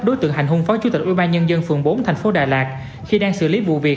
đối tượng hành hung phó chủ tịch ubnd phường bốn tp hcm khi đang xử lý vụ việc